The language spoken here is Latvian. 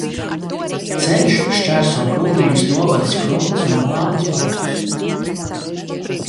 Ceļš šķērso Kuldīgas novada Skrundas un Vārmes pagastus.